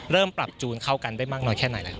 เริ่มปรับจูนเข้ากันได้มากน้อยแค่ไหน